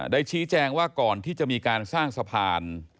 ชี้แจงว่าก่อนที่จะมีการสร้างสะพาน